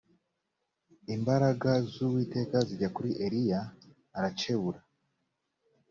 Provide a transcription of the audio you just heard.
imbaraga z uwiteka zijya kuri eliya aracebura